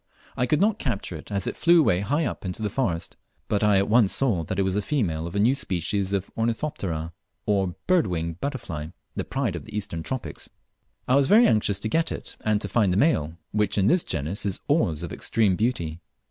I could not capture it as it flew away high up into the forest, but I at once saw that it was a female of a new species of Ornithoptera or "bird winged butterfly," the pride of the Eastern tropics. I was very anxious to get it and to find the male, which in this genus is always of extreme beauty.